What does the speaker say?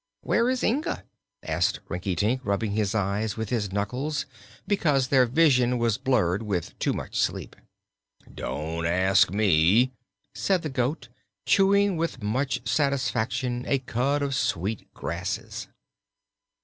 "Where is Inga?" asked Rinkitink, rubbing his eyes with his knuckles because their vision was blurred with too much sleep. "Don't ask me," said the goat, chewing with much satisfaction a cud of sweet grasses.